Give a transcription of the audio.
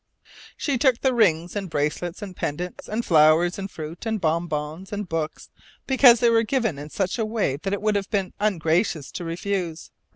She took the rings and bracelets and pendants, and flowers and fruit, and bon bons and books, because they were given in such a way that it would have been ungracious to refuse.